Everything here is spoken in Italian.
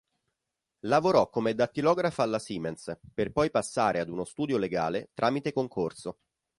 Lavorò come dattilografa alla Siemens, per poi passare ad uno studio legale tramite concorso.